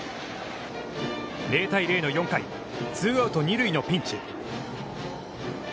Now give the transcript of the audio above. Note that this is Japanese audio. ０対０の４回ツーアウト、二塁のピンチ。